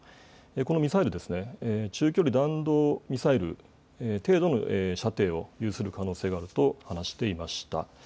このミサイル、中距離弾道ミサイル程度の射程を有する可能性があると話していました。